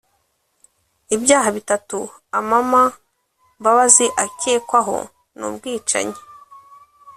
Ibyaha bitatu Amama Mbabazi akekwaho; ni ubwicanyi